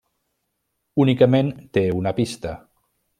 Únicament té una pista.